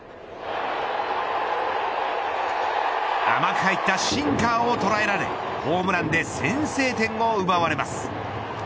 甘く入ったシンカーを捉えられホームランで先制点を奪われます。